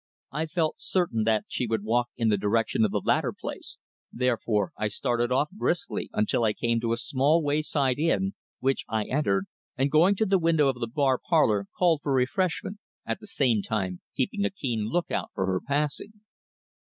I felt certain that she would walk in the direction of the latter place, therefore I started off briskly until I came to a small wayside inn, which I entered, and going to the window of the bar parlour called for refreshment, at the same time keeping a keen look out for her passing.